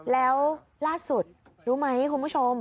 แล้วล่าสุดรู้ไหมคุณผู้ชม